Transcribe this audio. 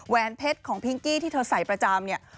แวนเพชรของพิงกี้ที่เธอใส่ประจำเนี่ย